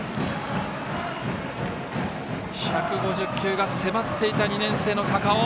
１５０球が迫っていた２年生の高尾。